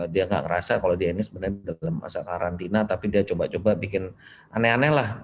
dia nggak ngerasa kalau dia ini sebenarnya dalam masa karantina tapi dia coba coba bikin aneh aneh lah